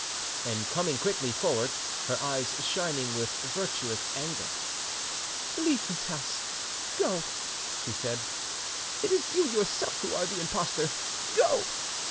And coming quickly forward, her eyes shining with virtuous anger— "Leave this house, go," she said; "it is you yourself who are the impostor—go!"